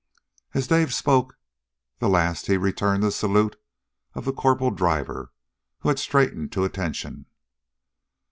As Dave spoke the last he returned the salute of the corporal driver, who had straightened to attention.